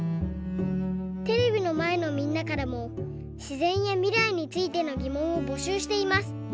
テレビのまえのみんなからもしぜんやみらいについてのぎもんをぼしゅうしています。